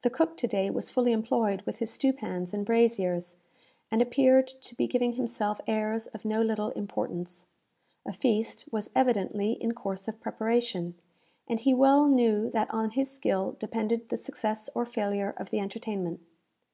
The cook to day was fully employed with his stewpans and braziers, and appeared to be giving himself airs of no little importance. A feast was evidently in course of preparation, and he well knew that on his skill depended the success or failure of the entertainment.